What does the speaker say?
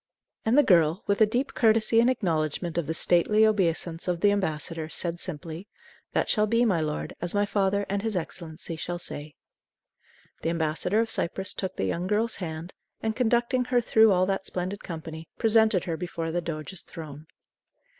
And the girl, with a deep courtesy in acknowledgment of the stately obeisance of the ambassador, said simply, "That shall be, my lord, as my father and his Excellency shall say." The ambassador of Cyprus took the young girl's hand, and, conducting her through all that splendid company, presented her before the doge's throne.